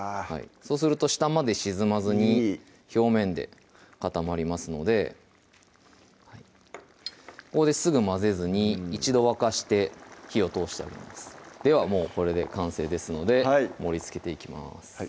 そうすると下まで沈まずに表面で固まりますのでここですぐ混ぜずに一度沸かして火を通してあげますではもうこれで完成ですので盛りつけていきます